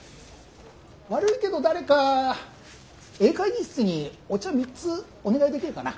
悪いけど誰かＡ会議室にお茶３つお願いできるかな。